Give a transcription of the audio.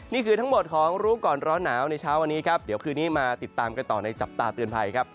นี่คือทั้งหมดของรู้ก่อนร้อนหนาวในเช้าวันนี้ครับเดี๋ยวคืนนี้มาติดตามกันต่อในจับตาเตือนภัยครับ